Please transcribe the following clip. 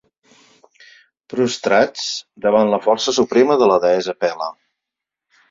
Prostrats davant la força suprema de la deessa Pele.